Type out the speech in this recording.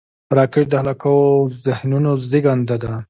راکټ د خلاقو ذهنونو زیږنده ده